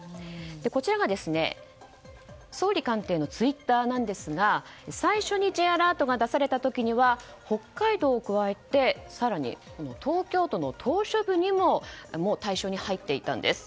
こちらが総理官邸のツイッターなんですが最初にＪアラートが出された時には北海道を加えて更に東京都の島しょ部にも対象に入っていたんです。